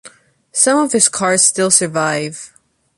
Some of his cars still survive.